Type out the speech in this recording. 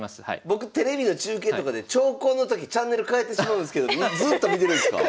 僕テレビの中継とかで長考の時チャンネル変えてしまうんですけどずっと見てるんすか？